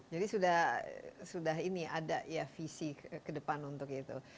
jadi sudah ini ada ya visi ke depan untuk itu